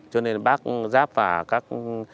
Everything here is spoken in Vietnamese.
cho nên bác giáp và các